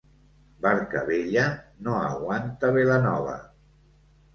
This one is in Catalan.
Barca vella no aguanta vela nova.